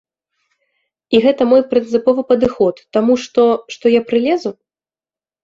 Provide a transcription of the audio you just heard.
І гэта мой прынцыповы падыход, таму што, што я прылезу?